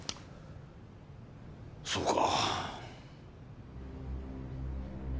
そうか。